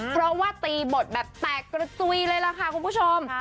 เพราะว่าตีบทแบบแตกกระจุยเลยล่ะค่ะคุณผู้ชม